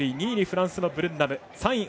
２位にフランスのブルンナム。